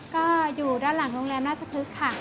ก็อยู่ด้านหลังโรงแรมราชพฤกษ์ค่ะ